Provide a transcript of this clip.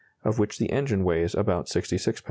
of which the engine weighs about 66 lbs.